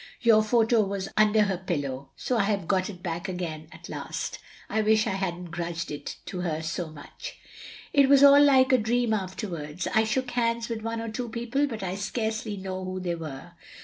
" Your photo was under her pillow, so I have got it back again at last. I wish I had n't grudged it to her so much. It was all like a dream afterwards. I shook hands with one or two people, but I scarcely know who they were.